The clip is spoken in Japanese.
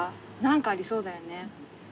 何かありそうだよね。